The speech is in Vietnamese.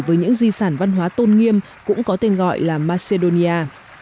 với những di sản văn hóa tôn nghiêm cũng có tên gọi là macedonia